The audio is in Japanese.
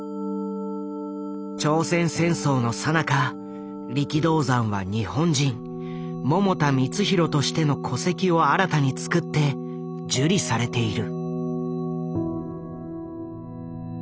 朝鮮戦争のさなか力道山は日本人百田光浩としての戸籍を新たに作って受理されている。